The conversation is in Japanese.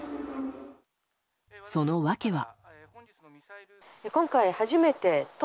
その訳は。